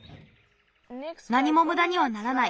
なにもむだにはならない。